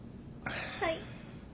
はい。